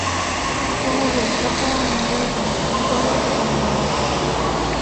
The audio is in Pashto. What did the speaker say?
ده وویل زه خو مرېږم نو ده ولې ځان وواژه.